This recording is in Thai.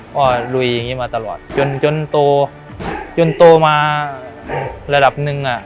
ลุยอย่างนี้มาตลอดจนจนโตจนโตมาระดับหนึ่งอ่ะ